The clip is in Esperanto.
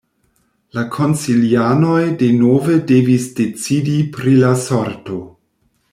La konsilianoj denove devis decidi pri la sorto.